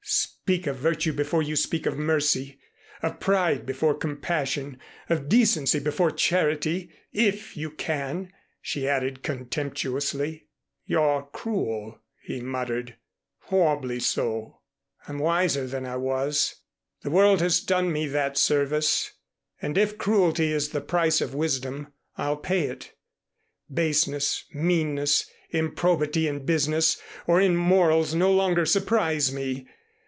"Speak of virtue before you speak of mercy, of pride before compassion, of decency before charity if you can," she added contemptuously. "You're cruel," he muttered, "horribly so." "I'm wiser than I was. The world has done me that service. And if cruelty is the price of wisdom, I'll pay it. Baseness, meanness, improbity in business or in morals no longer surprise me.